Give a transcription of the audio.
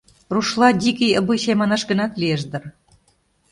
Рушла «дикий обычай» манаш гынат, лиеш дыр.